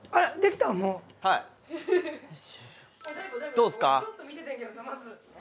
どうですか？